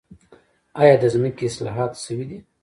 آیا د ځمکې اصلاحات شوي دي؟